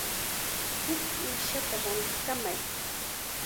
Huk uushata rantikamay.